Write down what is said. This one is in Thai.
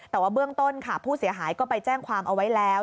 แต่ว่าเบื้องต้นค่ะผู้เสียหายก็ไปแจ้งความเอาไว้แล้ว